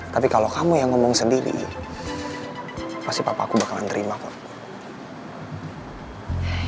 tapi kalau kamu yang ngomong sendiri pasti papaku bakalan terima kok